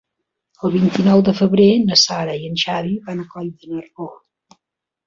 El vint-i-nou de febrer na Sara i en Xavi van a Coll de Nargó.